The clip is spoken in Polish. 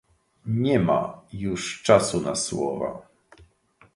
Nie ma już czasu na słowa